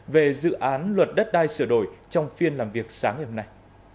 về dự án luật đất đai sửa đổi trong phiên làm việc sáng ngày hôm nay